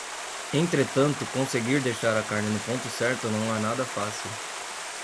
Entretanto, conseguir deixar a carne no ponto certo não é nada fácil